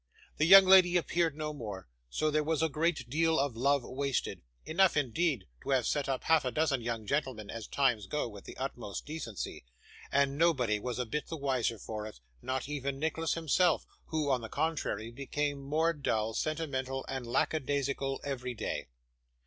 The young lady appeared no more; so there was a great deal of love wasted (enough indeed to have set up half a dozen young gentlemen, as times go, with the utmost decency), and nobody was a bit the wiser for it; not even Nicholas himself, who, on the contrary, became more dull, sentimental, and lackadaisical, every day.